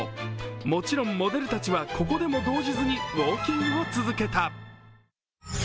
もちろんモデルたちはここでも動じずにウオーキングを続けた。